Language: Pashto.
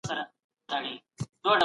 د ګردیز ماڼۍ ته ځینې خلک بالاحصار وایې.